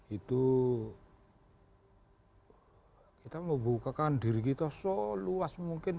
itu kita membukakan diri kita seluas mungkin